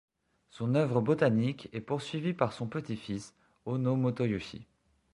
Son œuvre botanique est poursuivie par son petit-fils, Ono Motoyoshi.